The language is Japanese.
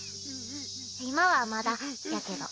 「今はまだ」やけど。